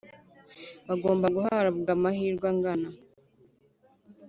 bagomba guhabwa amahirwe angana